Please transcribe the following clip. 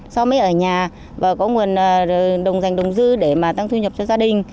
sau mới ở nhà và có nguồn đồng dành đồng dư để mà tăng thu nhập cho gia đình